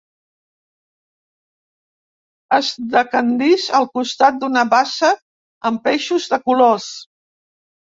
Es decandís al costat d'una bassa amb peixos de colors.